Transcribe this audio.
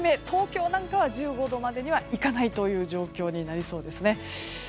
東京は１５度まではいかないという状況になりそうです。